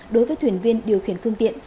đối với thuyền viên điều khiển phương tiện